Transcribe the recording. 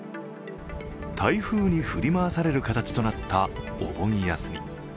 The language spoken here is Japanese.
台風に振り回される形となったお盆休み。